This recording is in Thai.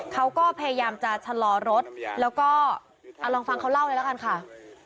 เขาก็พยายามจะชะลอรถแล้วก็เอาลองฟังเขาเล่าเลยละกันค่ะ